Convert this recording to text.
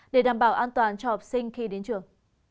để đảm bảo an toàn cho học sinh khi đến trường